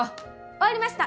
終わりました！